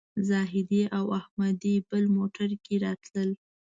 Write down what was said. زاهدي او احمدي بل موټر کې راتلل.